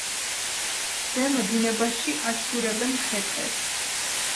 ზემო დინებაში აცურებენ ხე-ტყეს.